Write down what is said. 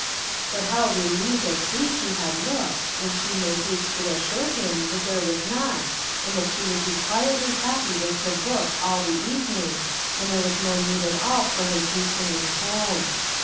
But how relieved and pleased lie had looked when she made haste to assure hirn that there was not, and that she would be quietly happy with her book all the evening, and there was no need at all for his hastening home.